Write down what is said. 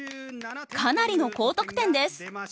かなりの高得点です。